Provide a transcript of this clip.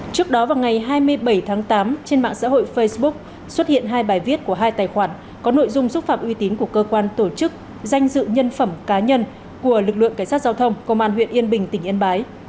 trước đó vào ngày hai mươi bảy tháng tám trên mạng xã hội facebook xuất hiện hai bài viết của hai tài khoản có nội dung xúc phạm uy tín của cơ quan tổ chức danh dự nhân phẩm cá nhân của lực lượng cảnh sát giao thông công an huyện yên bình tỉnh yên bái